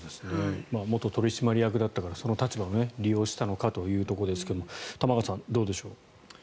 元取締役だったからその立場を利用したのかというところですが玉川さん、どうでしょう。